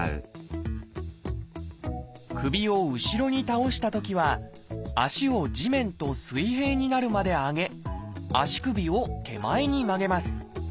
首を後ろに倒したときは足を地面と水平になるまで上げ足首を手前に曲げます。